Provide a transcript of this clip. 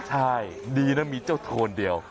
ใช่ดีนะมีเจ้าโทนเดียว